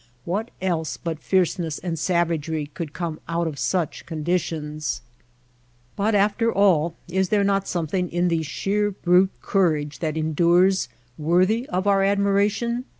What else but fierceness and savagery could come out of such condi tions ? But, after all, is there not something in the sheer brute courage that endures, worthy of our admiration